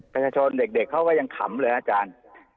ประชาชนเด็กเขาก็ยังขำเลยนะอาจารย์